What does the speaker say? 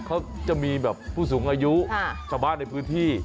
เขาจะมีแบบผู้สูงอายุชาวบ้านในพื้นที่